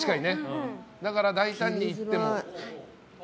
だから、大胆にいっても。